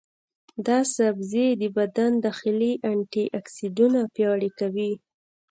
دا سبزی د بدن داخلي انټياکسیدانونه پیاوړي کوي.